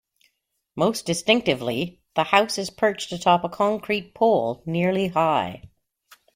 Most distinctively, the house is perched atop a concrete pole nearly high.